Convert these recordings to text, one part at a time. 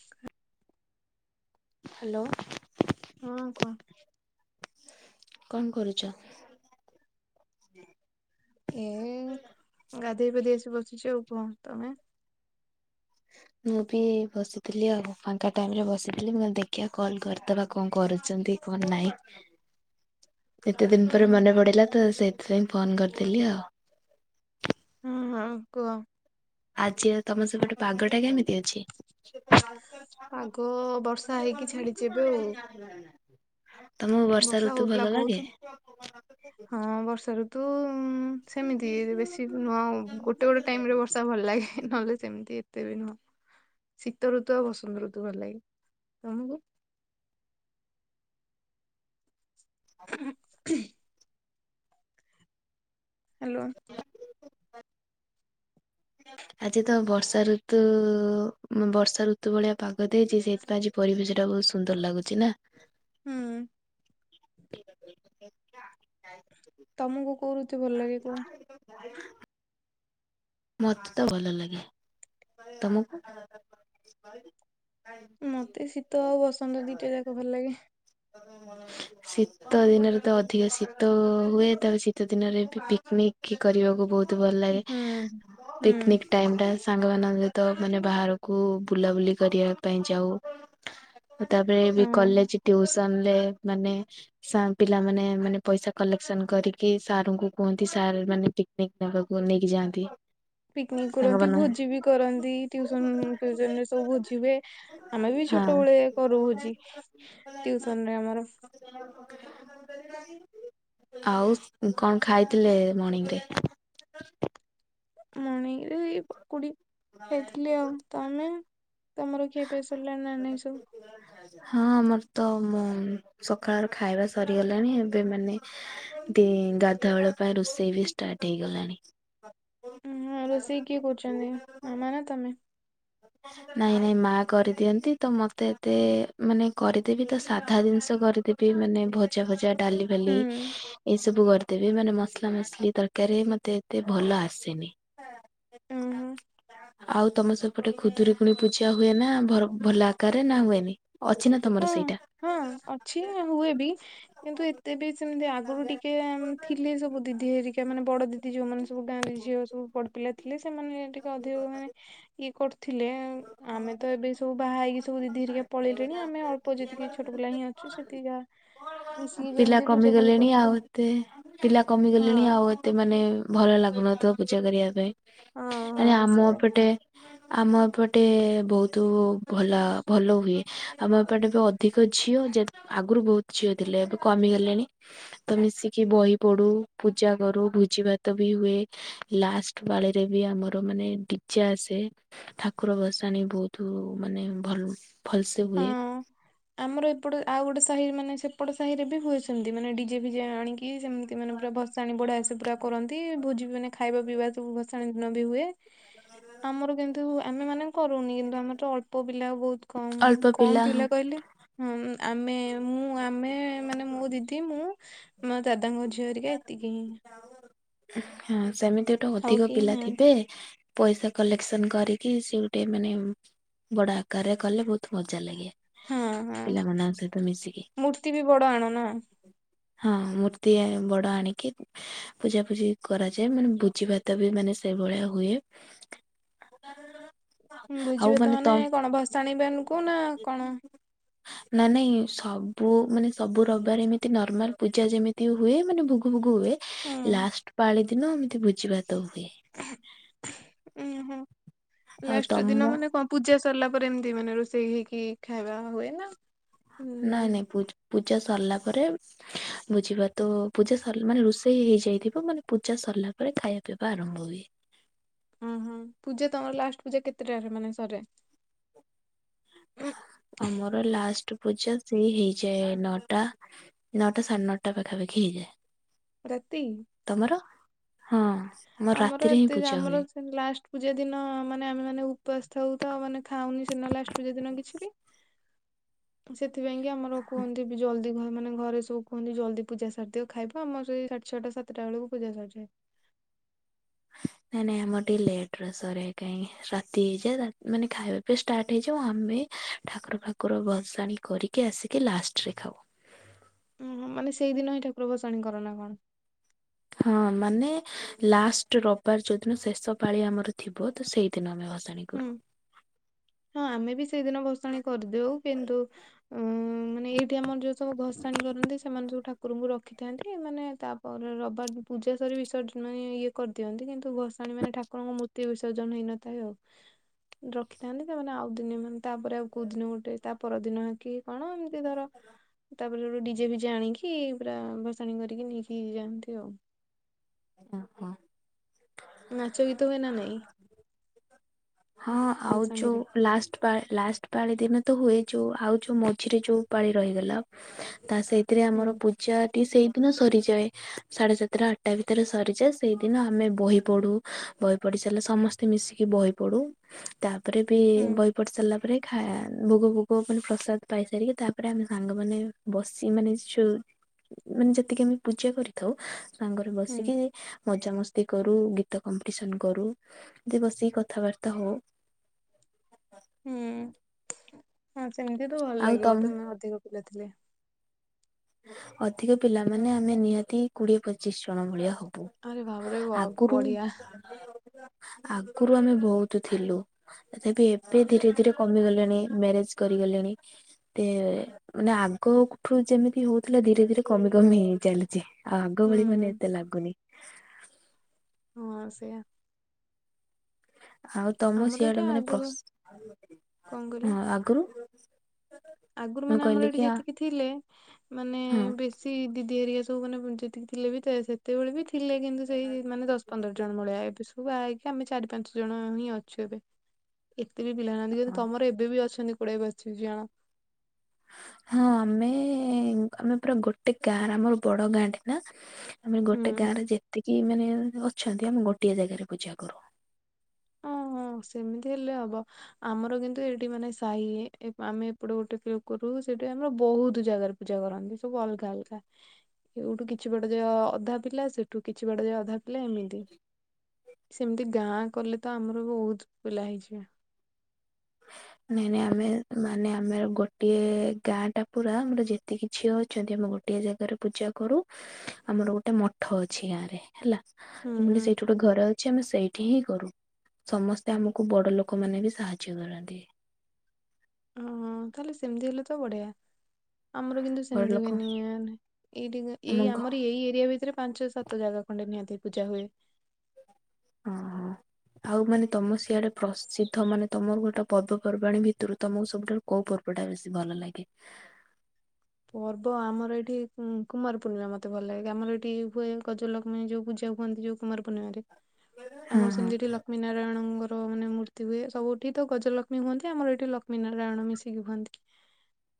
ଖ [unintelligible] ହ୍ୟାଲୋ। ହଁ କୁହ। କଣ କରୁଚ? ଏ ଗାଧେଇ ପାଧେଇ ଆସି ବସିଛି ଆଉ କଣ? ତମେ। ମୁଁ ବି ବସିଥିଲି ଆଉ। ଫାଙ୍କା ଟାଇମରେ ବସିଥିଲି, ମୁଁ କହଲି ଦେଖିବା କଲ୍ କରିଦେବା କଣ କରୁଚନ୍ତି? ଫୋନ୍ ନାହିଁ। ଏତେ ଦିନ ହୁଁ ପରେ ମନେ ପଡିଲା ତ ସେଥିପାଇଁ ଫୋନ କରିଦେଲି ଆଉ। ହଁ ହଁ କୁହ। ଆଜି ତୁମ ଆଉ ତମ ସେପଟେ ପାଗଟା କେମିତି ଅଛି? ପାଗ ବର୍ଷା ହେଇକି ଛାଡିଛି ଏବେ ଆଉ। ତମକୁ ବର୍ଷା ଋତୁ ହଉଥିଲା ଭଲ ବହୁତ। ଲାଗେ। ହଁ ବର୍ଷା ଋତୁ ସେମିତି ବେଶୀ ନୂହଁ ଗୋଟେ ଗୋଟେ ଟାଇମ ରେ ବର୍ଷା ର୍ଷା ଭଲ ଲାଗେ ନହେଲେ ସେମିତି ଏତ ତେ ବେ ନୁହଁ ଶୀତ ଋତୁ ଆଉ ବସନ୍ତ ଋତୁ ଭଲ ଲାଗେ। ତମକୁ? [inaudible] ହ୍ୟାଲୋ। ଆଜି ତ ବର୍ଷା ଋତୁ ବର୍ଷା ଋତୁ ଭଳିଆ ପାଗ ଦେଇଛି ସେଥିପାଇଁ ଆଜି ପରିବେଶ ଟା ବୋହୁତ ସୁନ୍ଦର ଲାଗୁଛି ନା। ହୁଁ। ତମକୁ କୋଉ ଋତୁ ଭଲ ଲାଗେ କୁହନି? [unintelligible] ମତେ ତ ଭଲ ଲାଗେ। ତମକୁ? ମତେ ଶୀତ ଆଉ ବସନ୍ତ ଦିଟା ଯାଙ୍କ ଭଲ ଲାଗେ। [inaudible] ଶୀତ ଦିନରେ ତ ଅଧିକ ଶୀତ ହୁଏ ତା ପରେ ଶୀତ ଦିନରେ ବି ପିକ୍ ନିକ୍ କରିବାକୁ ବହୁତ ତ୍ ଭଲ ଲାଗେ ହୁଁ। ହୁଁ ପିକ୍ନିକ୍ ଟାଇମ ଟା ସାଙ୍ଗମାନାନଙ୍କ ସହିତ ମାନେ ବାହାରକୁ ବୁଲାବୁଲି କରିବା ପାଇଁ ଯାଉ। ତାପରେ ବି ହଁ କଲେଜ ଟିୟୁସନ୍ ସନ ରେ ମାନେ ସାଙ୍ଗ୍ ପିଲାମାନେ ମାନେ ପଇସା କଲେକ୍ସନ କରିକି ସାର୍ ଙ୍କୁ କୁହନ୍ତି ସାର୍ ମାନେ ପିକ୍ ନିକ୍ ନବାକୁ ନେଇକି ଯାଆନ୍ତି। ପିକ୍ ନିକ୍ କରନ୍ତି ସାଙ୍ଗମାନ ଭୋଜି ବି କରନ୍ତି ଟିଉସନ ଫିଉସନ ରେ ସବୁ ଭୋଜି ହୁଏ। ଆମେ ବି ଛୋଟବେଳେ କରୁ ଭୋଜି ହଁ। ଟ୍ୟୁସନ ରେ ଆମର। ଆଉ କଣ ଖାଇଥିଲେ ମଣିଙ୍ଗ୍ ରେ? ମଣିଙ୍ଗ୍ ରେ ଏଇ ପକୁଡି। ଖାଇଥିଲି ଆଉ ତମେ ତମର ଖିଆ ପିଆ ସରିଲାଣି ନା ନାହିଁ ସବୁ? ହଁ ଆମର ତ ମୁଁ ସକାଳର ଖାଇବା ସରିଗଲାଣି ଏବେ ମାନେ ଦି ଗାଧୁଆବେଳ ପାଇଁ ରୋଷେଇ ବି ଷ୍ଟାର୍ଟ ହେଇଗଲାଣି। ଉଁ ହୁଁ ରୋଷେଇ କିଏ କରୁଛନ୍ତି? ମାମ ନା ତମେ। [inaudible] ନାଇଁ ନାଇଁ ମା କରିଦିଅନ୍ତି ତ ମତେ ଏତେ ମାନେ କରିଦେବି ତ ସାଧା ଜିନିଷ କରିଦେବ ବି ମାନେ ଭଜା ଭଜା ଡାଲି ଫାଲି ହୁଁ ଏସବୁ କରି ଦେବେ ମାନେ ମସଲା ମସଲି ତରକାରୀ ମତେ ଏତେ ଭଲ ଆସେନି। ଓହୋ। ଆଉ ତମ ସେ ଗୋଟେ ଖୁଦୁୁରକୁୁଣି ପୂଜା ହୁଏ ନା ଭଲ ଆକାରରେ ନା ହୁଏନି ଅଛି ନା ହଁ ତମର ସେଇଟା? ହଁ ଅଛି ଆଉ ହୁଏ ବି। କିନ୍ତୁ ଏତେ ବି ସେମିତି ଆଗୁରୁ ଟିକେ ଉଁ ଥିଲି ସବୁ ଦିଦି ହେରିକା ମାନେ ବଡ ଦିଦ ଦି ଯୋଉମାନେ ସବୁ ଗାଁରେ ଝିଅ ସବୁ ପଡ ପିଲା ଥିଲେ ସେମାନେ ଟିକେ ଅଧିକ ମାନେ ଇଏ କରୁଥିଲେ ଆମେ ତ ଏବେ ସବୁ ବାହା ହେଇକି ସବୁ ଦିଦି ହେରିକା ପଳେଇଲୁ ଲେଣି ଆମେ ଅଳ୍ପ ଯେତିକି ଛୋଟ ପିଲା ହିଁ ଅଛୁ ସେତିକି ଯା ପିଲା କମିଗଲେଣି ଆଉ ଏତେ ପିଲା ହଁ କମିଗଲେଣି ଆଉ ଏତେ ଏତେ ମାନେ ଭଲ ଲାଗୁନଥିବ ପୂଜା କରିବା ହଁ ପାଇଁ। ଆରେ ହଁ ଆମ ସେଇଆ ପଟେ ଆମ ପଟେ ବୋହୁତୁ ଭଲା ଭଲ ହୁଏ ‌ ଆମ ଏପଟେ ବି ଅଧିକ ଝିଅ ଯେ ଆଗୁରୁ ବୋହୁତ ଝିଅ ଥିଲେ ଏବେ କମିଗଲେଣି ତ ମିଶିକି ବହି ପଢୁ ପୂଜା କରୁ ଭୋଜି ଭାତ ବି ହୁଏ। ଲାଷ୍ଟ ପାଳିରେ ବି ଆମର ମାନେ ଡିଜେ ଆସେ। ଠାକ ଠାକୁର ବସାଣି ବହୁତ ମାନେ ଭଲ ଭଲସେ ହଁ ହୁଏ। ଆମର ଏପଟେ ଆଉ ଗୋଟେ ସାହି ମାନେ ସେପଟେ ସାହିରେବି ହୁଏ ହେମେତି ମାନେ ଡିଜେ ଫିଜେ ଆଣିକି କି ସେମିତି ମାନେ ପୁରା ଭସାଣି ବଢାଆସ ପୁରା କରନ୍ତି ଭୋଜିବି ମାନେ ଖାଇବା ପିଇବା ସବୁ ଭସାଣ ଦିନବି ହୁଏ [unintelligible] ଆମର କେମିତି ହୁ ଆମେ ମାନେ କରୁନି କିନ୍ତୁ ଆମରତ ଅଳ୍ପ ପିଲା ବହୁତ୍ କମ୍ ଅଳ୍ପ କମ୍ ହଁ ପିଲା କ କଇଁଲେ ହଁ ଆମେ ମୁଁ ଆମେ ମାନେ ମୋ ଦିଦି ମୁଁ ମୋ ଦାଦାଙ୍କ ଝିଅରିକା ଏତିକି ହିଁ। ହଁ ସେମିତି ଗୋଟେ ଆଉ ଅଧିକ କେହି ପିଲା ନାହାନ୍ତି ଥିବେ ପଇସା କଲେକ୍ସନ କରିକି ସେଗୋଟେ ମାନେ ବଡ଼ ଆକାରରେ କଲେ ବହୁ ହଁ ହଁ ସହିତ ମିଶିକି ମୂର୍ତ୍ତିବି ବଡ଼ ଆଣନା ହଁ ମୂର୍ତ୍ତି ବଡ଼ ଆଣିକି ପୂଜା ପୂଜି କରାଯାଏ ମାନେ ଭୋଜି ଭାତବି ମାନେ ସେଇଭଳିଆ ହୁଏ [unintelligible] ଆଉ ଭୋଝିଅ ମାନେ ତ ତାହାନେ କଣ ଭସାଣିବେନକୁ ନାକଣ? [inaudible] ନା ନାଇଁ ସବୁ ମାନେ ସବୁ ରବିବାର ଏମିତି ନର୍ମାଲ ପୂଜା ଯେମିତି ହୁଏ ମାନେ ଭୋଗ ଭୋଗ ହୁଏ ହୁଁ ଲାଷ୍ଟ ପାଳିଦିନ ଏମିତି ଭୋଜିଭାତ ହୁଏ। ଉଁ ହୋ ଆଉ ଲାଷ୍ଟ ଦିନ ତମ ମାନେ କଁ ପୂଜା ସରିଲା ପରେ ଏମିତି ମାନେ ରୋଷେଇ ହେଇକି ଖାଇବା ହୁଏନା ନାଇଁ ନାଇଁ ପୂ ପୂଜା ସରିଲା ପରେ ଭୋଜିଭାତ ପୂଜା ସିଲ ମାନେ ରୋଷେଇ ହେଇଯାଇଥିବ ମାନେ ପୂଜା ସରିଲା ପରେ ଖାଇବା ପିଇବା ଆରମ୍ଭ ହୁଏ। ଉଁ ହୁଁ ପୂଜା ତମର ଲାଷ୍ଟ୍ ପୂଜା କେତେଟାରେ ମାନେ ସରେ? ଆମର ଲାଷ୍ଟେ ପୂଜା ସେଇ ହେଇଯାଏ ନଅଟା ନଅଟା ସାଢେ ନଅଟା ପାଖାପାଖି ହେଇଯାଏ। ରାତି? ତମର ହଁ ଆମର ରାତିରେହିଁ ପୂଜା ହୁଏ। ସେ ଲାଷ୍ଟ ପୂଜା ଦିନ ମାନେ ଆମେ ମାନେ ଉପାସ ଥାଉତ ମାନେ ଖାଉନି ସିନା ଲାଷ୍ଟ ପୂଜା ଦିନ କିଛିବି [inaudible] ସେଥିପାଇଁକି ଆମର କୁହନ୍ତିବି ଜଲ୍ଦି ଘ ମାନେ ଘରେ ସବୁ କୁହନ୍ତି ଜଲ୍ଦି ପୂଜା ସାରିଦିଅ ଖାଇବ ଆମର ସେଇ ସାଢେ଼ ଛଟା ସାତଟା ବେଳକୁ ପୂଜା ସରିଯାଏ। ନାଇଁ ନାଇଁ ଆମର ଟିକେ ଲେଟର ସରେ କାଇକି ରାତି ହେଇଯାଏ ତା ମାନେ ଖାଇବା ଏବେ ଷ୍ଟାର୍ଟ ହେଇଯାଉ ଆମେ ଠାକୁର ଫାକୁର ବସାଣି କରିକି ଆସିକି ଲାଷ୍ଟରେ ଖାଉ। ଓହୋ ମାନେ ସେଇଦିନହିଁ ଠାକୁର ଭସାଣି କରନା କଣ? ହଁ ମାନେ ଲାଷ୍ଟ ରବିବାର ଯୋଉଦିନ ଶେଷ ପାଳି ଆମର ଥିବ ତସେଇଦିନ ଆମେ ଭସ ସାଣି ହୁଁ। କରୁ। ହଁ ଆମେବି ସେଇଦିନ ଭାଷାଣି କରିଦେଉ କିନ୍ତୁ ଅ ମାନେ ଏଇଠି ଆମର ଯୋଉ ସବୁ ଭସାଣି କରନ୍ତି ସେମାନେ ସବୁ ଠାକୁ ଠାକୁରଙ୍କୁ ରଖିଥାନ୍ତି ମାନେ ତାପରେ ରବିବାର ପୂଜା ସରି ବିସର୍ଜନ ମାନେ ଇଏ କରିଦିଅନ୍ତି କିନ୍ତୁ ଭସାଣି ମାନେ ଠାକୁ ଠାକୁରଙ୍କ ମୂର୍ତ୍ତି ବିସର୍ଜନ ହେଇନଥାଏ ଆଉ। ରଖିଥାନ୍ତି ତାମାନେ ଆଉ ଦିନ ମାନେ ତାପରେ ଆଉ କୋଉ ଦିନ ଗୋଟେ ତାପରଦିନ କି କଣ ଏମିତି ଧର ତାପରେ ଡିଜେ ଫିଜେ ଆଣିକି ପୁରା ଭସାଣି କରିକି ନେଇକି ଯାଆନ୍ତି ଆଉ। ଓହୋ। ନାଚ ଗୀତ ହୁଏ ନା ନାଇଁ? ହଁ ଆଉଚୁ ଭସାଣିରେ? ଲାଷ୍ ପା ଲାଷ୍ଟ ପାଳି ଦିନ ତ ହୁଏ, ଯୋଉ ଆଉ ଯୋଉ ମଝିରେ ଯୋଉ ପାଳି ରହିଗଲା ତା ସେଇ ସେଥିରେ ହୁଁ ଆମର ପୂଜା ଟି ସେଇଦିନ ସରିଯାଏ। ସାଢେ ସାତଟା ଆଠଟା ଭିତରେ ସରିଯାଏ। ସେଇଦିନ ଆମେ ବହି ପଢୁ, ବହି ପଢି ସାରିଲେ ସମସ୍ ତେ ମିଶିକି ବହି ପଢୁ, ତାପରେ ବି ହୁଁ ବହି ପଢି ସାରିଲା ପରେ ଖା ଭୋଗ ଭୋଗ ମାନେ ପ୍ରସାଦ ପାଇସାରିକି ତାପରେ ଆମେ ସାଙ୍ଗମାନେ ବସି ମାନେ ଚୋ, ମାନେ ଯେତିକି ଆମେ ପୂଜା କରିଥାଉ ସାଙ୍ଗରେ ହୁଁ ବସିକି ମଜାମସ୍ କରୁ ଗୀତ କମ୍ପିଟିସନ କରୁ, ଏମିତି ବସିକୁ କଥାବାର୍ତ୍ତା ହଉ। ହୁଁ, ହଁ ସେମିତି ତ ଭଲ ଆଉ ଲାଗିବ ତମ ତମେ ଅଧିକ ପିଲା ଥିଲେ। ଅଧିକ ପିଲାମାନେ ଆମେ ନିହାତି କୋଡିଏ ପଚିଶ ଜଣ ଭଳିଆ ହଉ। ଆରେ ଭାବରେ ୱାଓ, ଆଗୁରୁ ବଢିଆ ଆଗରୁ ଆମେ ବୋହୁତ ଥିଲୁ। ତଥାପି ଏବେ ଧୀରେ ଧୀରେ କମିଗଲେଣି, ମ୍ୟାରେଜ କରିଗଲେଣି। ଏତେ ମାନେ ଆଗଠୁ ଯେମି ହଉଥିଲା ଧୀରେ ଧୀରେ କମି କମି ହେଇ ଚାଲିଛି, ଆଉ ଆଗ ଭଳି ମାନେ ହୁଁ ଏତେ ଲାଗୁନି। ହଁ ସେଇଆ। ଆଉ ତମ ଆମର ଏଠି ସିଆଡେ ମାନେ ଆଗରୁ ଫସ୍, କଣ କହିଲ ହଁ ଆଗୁରୁ ଆଗରୁ ମାନେ ଆମର ଏଠି ହଁ ଯେତିକି ଥିଲେ, ମାନେ ବି ସିଏ ଦିଦି ହେରିଆ ସବୁ ମାନେ ଯେତିକି ଥିଲେ ବି ତ ସେ ତେବେଳେ ବି ଥିଲେ କିନ୍ତୁ ସେଇ ମାନେ ଦଶ ପନ୍ଦର ଜଣ ଭଳିଆ ଏବେ ସବୁ ଆ ଆମେ ଚାରି ପାଞ୍ଚ ଜଣ ହିଁ ଅଛୁ, ଏବେ ଏତେ ବି ପିଲା ନାହାନ୍ତି। ହଁ କିନ୍ତୁ ତମର ଏବେ ବି ଅଛନ୍ତି କୋଡ଼ିଏ ପ [unintelligible] ହଁ ଆମେ, ଆମେ ପୁରା ଗୋଟେ ଗାଁ ଆମର ବଡ ଗାଁଟେ ନା। ଆମେ ହୁଁ। ଗୋଟେ ଗାଁ ରେ ଯେତିକି ମାନେ ଅଛନ୍ତି। ଆମେ ଗୋଟିଏ ଜାଗାରେ ପୂଜା କରୁ। ହଁ ସେମିତି ହେଲେ ହବ। ଆମର କିନ୍ତୁ ଏଇଠି ମାନେ ସାହି ଆମେ ଏପଟେ ଗୋଟେ ପିଏଫ କରୁ ସେଠି ଆମର ବୋହୁତ ଜାଗା। ପୂଜା କରନ୍ତି ସବୁ ଅଲଗା ଅଲଗା। ଏଇଉଠୁ କିଛି ବାଟ ଯାଏ ଅଧା ପିଲା ସେଠୁ କିଛି ବାଟ ଯାଏ ଅଧା ପିଲା ଏମିତି। ସେମିତି ଗାଁ କଲେ ତ ଆମର ବୋହୁତ ପିଲା ହେଇଯିବେ। ହ [inaudible] ନାଇଁ ନାଇଁ ଆମେ ମାନେ ଆମେ ଗୋଟିଏ ଗାଁ ଟା ପୁରା ଆମର ଯେତିକି ଝିଅ ଅଛନ୍ତି ଆମ ଗୋ ଗୋଟିଏ ଜାଗାରେ ପୂଜା କରୁ, ଆମର ଗୋଟେ ମଠ ଅଛି ଗାଁ ରେ ହେଲା, ହୁଁ ହୁଁ [unintelligible] ସେଇଠୁ ଗୋଟେ ଘର ଅଛି ଆମେ ସେଇଠି ହିଁ କରୁ, ସମସ୍ତେ ଆମକୁ ବଡ ଲୋକ ମାନେ ବି ସାହାଯ୍ୟ କରନ୍ ତି। ହଁ ହଁ, ତାହେଲେ ସେମିତି ହେଲେ ତ ବଢିଆ, ଆମର କିନ୍ତୁ ବଡ଼ ସେମିତି ଲୋକ ହୁଏନି ଆଣ୍ଡ ଏଇଠି ଆମ ଏଇ ଘ ଆମର ଏଇ ଏରିଆ ଭିତରେ ପାଞ୍ଚ ସାତ ଜାଗା ଖଣ୍ଡେ ନିହାତି ପୂଜା ହୁଏ। ହଁ ହଁ। ଆଉ ମାନେ ତମ ସିଆଡେ ପ୍ରସିଦ୍ଧ ମାନେ ତମର ଗୋଟେ ପର୍ବପର୍ବାଣୀ ଭିତରୁ ତମକୁ ସବୁଠାରୁ କୋଉ ପର୍ବଟା ବେଶୀ ଭଲ ଲାଗେ? ପର୍ବ ଆମର ଏଠି କୁମ କୁମାର ପୂର୍ଣ୍ଣିମା ମତେ ଭଲ ଲାଗେ, ଆମର ଏଇଠି ହୁଏ ଗଜଲକ୍ଷ୍ମୀ ଯୋଉ ପୂଜା ହୁଅନ୍ତି ଯୋଉ କୁମାର ପୂର୍ଣ୍ଣିମାରେ, ହଁ ଆମର ହଁ ସେମିତି ଏଠି ଲକ୍ଷ୍ମୀ ନାରାୟଣଙ୍କ ମାନେ ମୂର୍ତ୍ତି ହୁଏ, ସବୁଠି ତ ଗଜଲକ୍ଷ୍ମୀ ହୁଅନ୍ତି ଆମର ଏଇଠି ଲକ୍ଷ୍ମୀ ନାରାୟଣ ମିଶିକି ହୁଅନ୍ତି।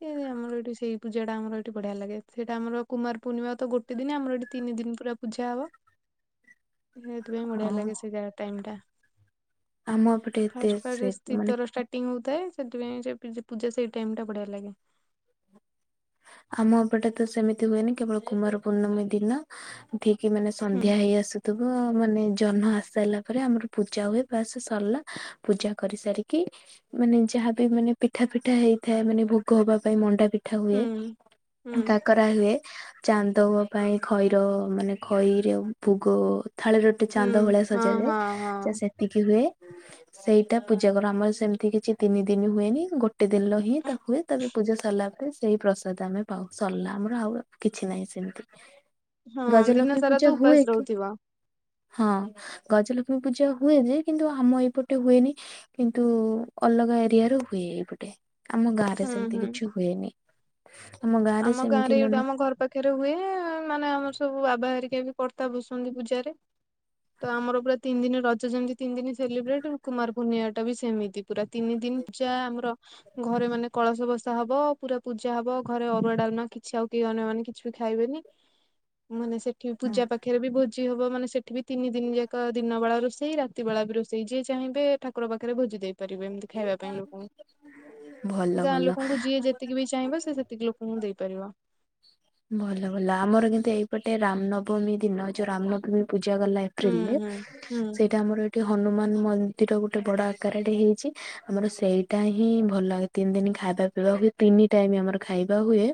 ଏ ଆମର ଏଠି ସେଇ ପୂଜାଟା ଆମର ଏଠି ବଢିଆ ଲାଗେ ସେଇଟା ଆମର କୁମାର ପୂର୍ଣ୍ଣିମା ତ ଗୋଟେ ଦିନି ଆମର ଏଠି ତିନି ଦିନି ପୁରା ପୂଜା ହବ। [inaudible] ସେଥିପାଇଁ ବଢିଆ ହଁ ଲାଗେ ସେ ଯା ଟାଇମ୍ ଟା। ଆମ ଏପଟେ ଏତେ ଫାଷ୍ଟ୍ ସେ ଫାଷ୍ଟ୍ ମାନେ ସ୍ଥିତରଷ୍ଟା ଟିଂ ହଉଥାଏ ସେଥିପାଇଁ ସେ ପୂଜା ପୂଜା ସେଇ ଟାଇମ୍ ଟା ବଢିଆ ଲାଗେ। ଆମ ଏପଟେ ତ ସେମିତି ହୁଏନି କେବଳ କୁମାର ପୂର୍ଣମୀ ଦିନ ଠିକି ମାନେ ହୁଁ ସନ୍ଧ୍ୟା ହେଇ ଆସୁ ଥୁବ ମାନେ ଜହ୍ନ ଆସି ସାଇଲା ପରେ ଆମର ପୂଜା ହୁଏ ବାସେ ସରିଲା। ପୂଜା କରି ସାରିକି ମାନେ ଯାହାବି ମାନେ ପିଠା ଫିଠା ହେଇଥାଏ ମାନେ ଭୋଗ ହବା ପାଇଁ ମଣ୍ଡା ପିଠା ହୁଏ ହୁଁ ହୁଁ ତା [inaudible] କରାହୁଏ ଚାନ୍ଦ ହବା ପାଇଁ ଖଇର ମାନେ ଖଇର ଭୋଗ ଥାଳିର ଗୋଟେ ହୁଁ ଚାନ୍ଦ ଭଳିଆ ହଁ ହଁ ସଜାଯାଏ ଏତିକି ହୁଏ ସେଇଟା ପୂଜା କର ଆମର ସେମିତି କିଛି ତିନି ଦିନି ହୁଏନି ଗୋ ଗୋଟେ ଦିନ ହିଁ ହଁ। ତା ହୁଏ ତାପରେ ପୂଜା ସାରିଲା ପରେ ସେଇ ପ୍ରସ୍ ସାଦ ଆମେ ପାଉ ସରିଲା ଆମର ଆଉ କିଛି ନାହିଁ ସେମିତି। ହଁ ଗଜ ଦିନ ଲକ୍ଷ୍ମୀ ସାରା ତ ପୂଜା ହୁଏ ଉପାସ କି? ରହୁଥିବ ହଁ ଗଜଲକ୍ଷ୍ମୀ ପୂଜା ହୁଏ ଯେ କିନ୍ତୁ ଆମ ଏପଟେ ହୁଏନି। କିନ୍ତୁ ଅଲଗା ଏରିଆ ରୁ ହୁଏ ଏଇପଟେ ଆମ ଗାଁ ରେ ହୁଁ ସେମିତି ହୁଁ। କିଛି ହୁଏନି। ଗାଁ ରେ ଆମ ସେମିତି ଗାଁରେ ଇଉଟୁ ମାନେ ଆମ ଘର ପାଖ ପାଖେରେ ହୁଏ ମାନେ ଆମର ସବୁ ବାବା ହେରିକା ବି କର୍ତ୍ତା ବସନ୍ତି ପୂଜାରେ। ତ ଆମର ପୁରା ତିନି ଦିନି ରଜ ଯେମତି ତିନି ଦିନି ସେଲିବ୍ରେଟ୍ କୁମାର ପୂର୍ଣିଆ ଟା ବି ସେମିତି। ପୁରା ତିନି ଦିନି ପୂଚା ଆମର ଘରେ ମାନେ କଳସ ବସା ହବ ପୁରା ପୂଜା ହବ ଘରେ ଅରୁଆ ଡାଲମା କିଛି ଆଉ କେହି ଅନ୍ୟ ମାନେ କିଛି ବି ଖାଇବେନି ମାନେ ସେଠି ପୂଜା ପା ଖେରେ ବି ଭୋଜି ହବ ମାନେ ସେଠି ବି ତିନି ଦିନି ଯାକ ଦିନ ବଳା ରୋଷେଇ ରାତି ବଳା ବି ରୋଷେଇ ଯିଏ ଚାହିଁବେ ଠାକୁର ପାଖରେ ଭୋଜି ଦେଇ ପାରିବେ ଏମିତି ଖାଇବା ପାଇଁ ଭଲ ଲୋକଙ୍କୁ ଗାଁ ଭଲ ଲୋକଙ୍କୁ ଯିଏ ଯେ ତିକି ବି ଚାହିଁବ ସେ ସେତିକି ଲୋକଙ୍କୁ ଦେଇପାରିବ। ଭଲ ଭଲ ଆମର କିନ୍ତୁ ଏଇପଟେ ରାମ୍ ନବମୀ ଦିନ ଯୋଉ ରାମ୍ ନବମୀ ପୂଜା ଗଲା ଏ ହୁଁ ପ୍ରିଲ୍ ରେ ହୁଁ ହୁଁ ସେଇଟା ଆମର ଏଠି ହନୁମାନ ମନ୍ଦିର ଗୋଟେ ବଡ ଆକାରାଟେ ହେଇଛି ଆମର ସେଇଟା ହିଁ ଭଲ୍ଲାଗେ ତିନି ଦିନି ଖାଇବା ପିଇବା ହୁଏ ତିନି ଟାଇମ୍ ଆମର ଖାଇବା ହୁଏ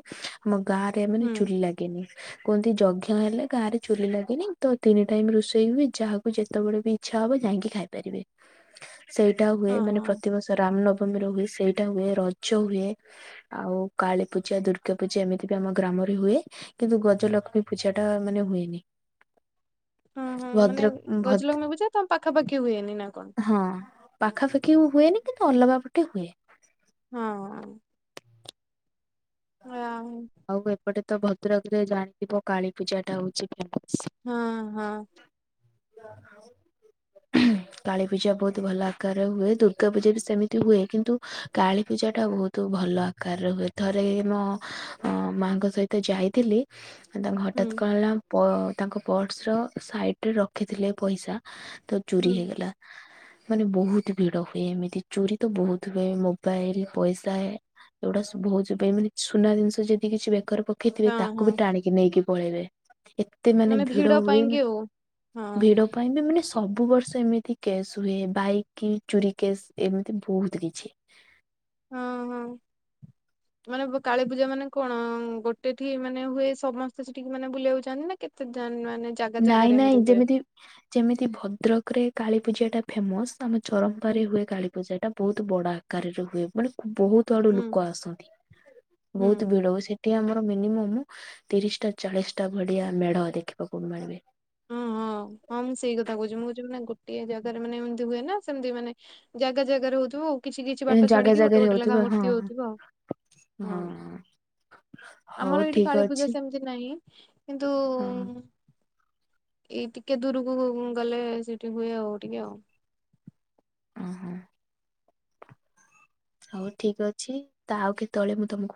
ଆମ ଗାଁ ରେ ମାନେ ହୁଁ ଚୁଲି ଲାଗେନି। କୁହନ୍ତି ଯଜ୍ଞ ହେଲେ ଗାଁରେ ଚୁଲି ଲାଗେନି ତ ତିନି ଟାଇମ୍ ରୋଷେଇ ହୁଏ ଯାହାକୁ ଯେତବେଳେ ବି ଇଛା ହବ ଯାଇକି ଖାଇ ପାରିବେ ସେଇଟା ହୁଏ ମାନେ ଓହୋ ପ୍ରତିବର୍ଷ ରାମ୍ ନ ବମୀ ର ହୁଏ ସେଇଟା ହୁଏ ରଜ ହୁଏ ଆଉ କାଳୀ ପୂଜା ଦୁର୍ଗା ପୂଜା ଏମିତି ଆମ ଗ୍ରାମରେ ହୁଏ କିନ୍ତୁ ଗଜଲକ୍ଷ୍ମୀ ପୂଜା ଟା ମାନେ ହୁଏନି। ହଁ ହଁ ମାନେ ଭଦ୍ରକ ଭଦ୍ର ଗଜଲଗଷ୍ମୀ ପୂଜା ତମ ପାଖାପାଖି ହୁଏନି ନା କଣ? ହଁ। ପାଖାପାଖି ହୁଏନି କିନ୍ତୁ ଅଲଗା ପଟେ ହୁଏ। ହଁ। ହଁ [inaudible] ଆଉ ଏପଟେ ତ ଭଦ୍ରକ୍ ରେ ଜାଣିଥିବ କାଳୀପୂଜାଟା ହଉଛି ଫେମସ୍। ହଁ ହଁ। ଉ [unintelligible] କାଳୀ ପୂଜା ବହୁତ୍ ଭଲ ଆକାରରେ ହୁଏ ଦୁର୍ଗା ପୂଜା ବି ସେମିତି ହୁଏ କିନ୍ତୁ କାଳୀ ପୂଜା ଟା ବହୁତ୍ ତୁ ଭଲ ଆକାରରେ ହୁଏ ଥରେ ମ ମାଆଙ୍କ ସହିତ ଯାଇଥିଲି ତାଙ୍କୁ ହୁଁ ହଠାତ୍ କଣ ହେଲା ତାଙ୍କ ପର୍ସ ର ସାଇଡ ରେ ରଖିଥିଲେ ପଇସା ତ ଚୋରି ହୁଁ ହେଇଗଲା। ହଁ ମାନେ ବହୁତ ଭିଡ ହୁଏ ଏମିତି ଚୋରି ତ ବହୁତ ହୁଏ ମୋବାଇଲ ପଇସା ଏଗୁଡ଼ା ସବୁ ହଉତି ପାଇଁ ମାନେ ସୁନା ଜିନିଷ ଯଦି କିଛି ବେକର ପକେଇଥିବେ ହଁ ତାକୁ ହଁ ବି ଟାଣିକି ନେଇକି ପଳେଇବେ ଏ ଏତେ ମାନେ ଭିଡ ହୁଏ ମାନେ ହଁ ଭିଡ ଏତେ ପାଇଁ ବି ମାନେ ସବୁ ବର୍ଷ ଏମିତି କେସ୍ ହୁଏ ବାଇକ୍ କି ଚୋରି କେସ୍ ଏମିତି ବହୁତ କିଛି। ହଁ ହଁ। [inaudible] ମାନେ କାଳୀ ପୂଜା ମାନେ କଣ ଗୋଟେ ଠି ମାନେ ହୁଏ ସମସ୍ତେ ସେଠିକି ମାନେ ବୁଲିବାକୁ ଯାଆନ୍ତି ନା କେତେ ଦାନ୍ ମାନେ? ଜାଗା ନାଇଁ ଜାଗାରେ ନାଇଁ ଏମିତି ହୁଏ? ଯେମିତି ଯେମିତି ଭଦ୍ରକ ରେ କାଳୀ ପୂଜା ଟା ଫେମସ୍ ଆମ ହୁଁ ଚରମ୍ପାରେ ହୁଏ କାଳୀ ପୂଜା ଟା ବହୁତ ବଡ ଆକାରରେ ହୁଏ ମାନେ ବହୁତ ଆଡୁ ହୁଁ ଲୋକ ଆସନ୍ତି ହୁଁ ବହୁତ ଭିଡ ହୁଏ ସେ ଏଠି ଆମର ମିନିମମ୍ ତିରିଶ ଟା ଚାଳିଶ ଟା ଭଡିଆ ମେଢ ଦେଖିବାକୁ ମିଳିବେ। ହଁ ହଁ ହଁ ମୁଁ ସେଇ କଥା କହୁଛି ମୁଁ ଯଉ ଗୋଟିଏ ଜାଗାରେ ମାନେ ଏମିତି ହୁଏ ନା ସେମିତି ମାନେ ଜାଗା ଜାଗାରେ ହଉଥିବ ଆଉ କିଛି କିଛି ଏ ବାଟ ଜାଗା ଛାଡିକି ଗୋଟେ ଜାଗାରେ ଗୋଟେ ଲେଖା ହଉଥିବେ ହଁ ମୂର୍ତ୍ତି ହଁ ହଉଥିବ ଆଉ ହଁ। ହଉ ଆମର ଏଇଠି ଠିକ କାଳୀ ପୂଜା ଅଛି ସେମିତି ନାହିଁ କିନ୍ତୁ ହଁ ଏଇ ଟିକେ ଦୂରକୁ ଗଲେ ସେଠି ହୁଏ ଆଉ ଟିକେ ଆଉ। ଓହୋ। ହଉ ଠିକ୍ ଅଛି ତା ଆଉ କେତେବେଳେ ମୁଁ ତମକୁ